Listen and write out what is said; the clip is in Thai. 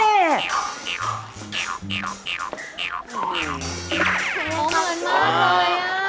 โอ้เหมือนมากเลย